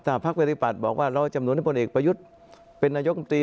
ถ้าพักปฏิบัติบอกว่าเราสนุนผลเอกประยุทธ์เป็นนายกราชมนตรี